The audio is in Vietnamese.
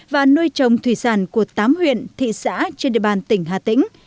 và nuôi trồng thủy sản của tám huyện thị xã trên địa bàn tỉnh hà tĩnh